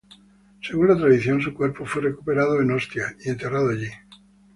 Según la tradición, su cuerpo fue recuperado en Ostia y enterrado allí.